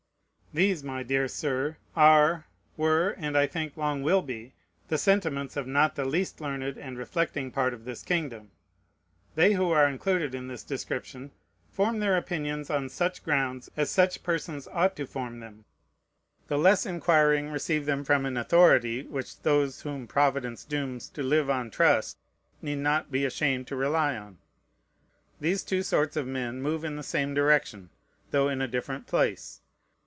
These, my dear Sir, are, were, and, I think, long will be, the sentiments of not the least learned and reflecting part of this kingdom. They who are included in this description form their opinions on such grounds as such persons ought to form them. The less inquiring receive them from an authority which those whom Providence dooms to live on trust need not be ashamed to rely on. These two sorts of men move in the same direction, though in a different place.